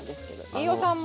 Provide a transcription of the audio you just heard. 飯尾さん